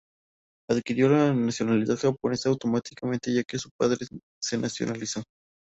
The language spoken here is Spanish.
Adquirió la nacionalidad japonesa automáticamente ya que su padre se nacionalizó.